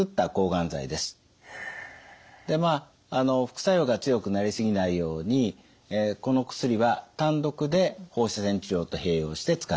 副作用が強くなりすぎないようにこの薬は単独で放射線治療と併用して使っています。